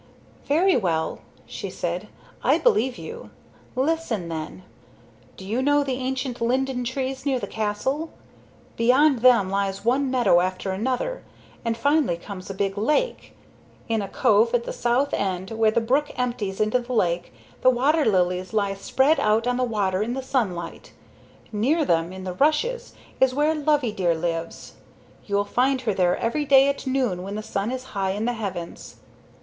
"Very well," she said, "I believe you. Listen, then. Do you know the ancient linden trees near the castle? Beyond them lies one meadow after another, and finally comes a big lake. In a cove at the south end where the brook empties into the lake the waterlilies lie spread out on the water in the sunlight. Near them, in the rushes, is where Loveydear lives. You'll find her there every day at noon when the sun is high in the heavens."